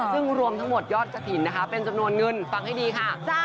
ซึ่งรวมทั้งหมดยอดกระถิ่นนะคะเป็นจำนวนเงินฟังให้ดีค่ะ